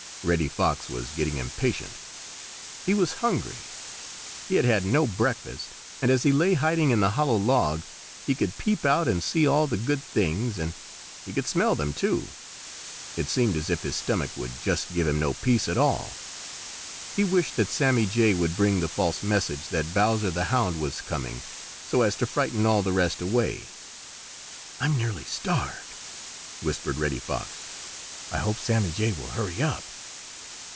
Reddy Fox was getting impatient. He was hungry. He had had no breakfast, and as he lay hiding in the hollow log, he could peep out and see all the good things, and he could smell them, too. It seemed as if his stomach would just give him no peace at all. He wished that Sammy Jay would bring the false message that Bowser the Hound was coming, so as to frighten all the rest away. "I'm nearly starved!" whispered Reddy Fox. "I hope Sammy Jay will hurry up."